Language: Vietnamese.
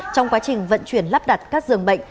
trong quá trình vận chuyển lắp đặt các giường bệnh